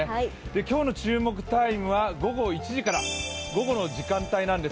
今日の注目タイムは午後１時から午後の時間帯です。